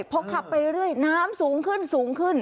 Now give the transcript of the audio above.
พอขับไปเรื่อยน้ำสูงขึ้นสูงขึ้น